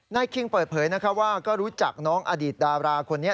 คิงเปิดเผยนะคะว่าก็รู้จักน้องอดีตดาราคนนี้